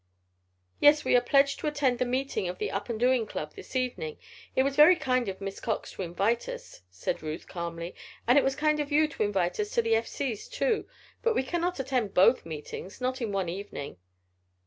"Yes, we are pledged to attend the meeting of the Up and Doing Club this evening. It was very kind of Miss Cox to invite us," said Ruth, calmly. "And it was kind of you to invite us to the F. C.'s, too. But we cannot attend both meetings not in one evening."